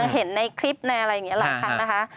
เห็นในคลิปหลังคันนะคะ